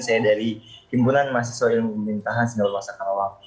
saya dari kumpulan mahasiswa ilmu pemerintahan singapura sekarang